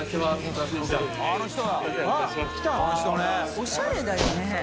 おしゃれだよね。